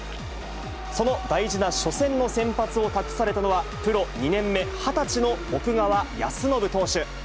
その大事な初戦の先発を託されたのは、プロ２年目、２０歳の奥川恭伸投手。